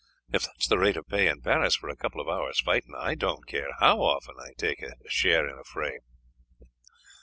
If that is the rate of pay in Paris for a couple of hours' fighting, I do not care how often I take a share in a fray."